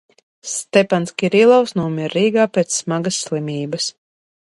Stepans Kirilovs nomira Rīgā pēc smagas slimības.